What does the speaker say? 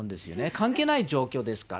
関係ない状況ですから。